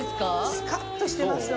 スカッとしてますよ